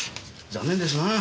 残念ですな。